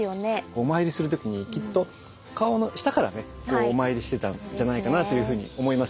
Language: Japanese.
お参りする時にきっと顔の下からねお参りしてたんじゃないかなというふうに思いますよね。